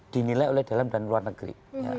dinilai oleh dalam dan luar negeri